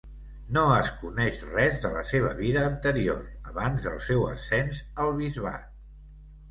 No es coneix res de la seva vida anterior abans del seu ascens al bisbat.